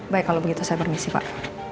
baik kalau begitu saya bermisi pak